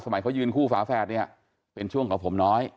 เขายืนคู่ฝาแฝดเนี่ยเป็นช่วงของผมน้อย